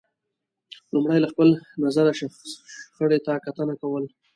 لمړی له خپل نظره شخړې ته کتنه کول